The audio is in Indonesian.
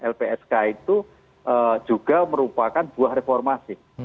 lpsk itu juga merupakan buah reformasi